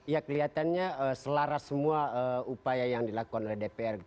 ya kelihatannya selaras semua upaya yang dilakukan oleh dpr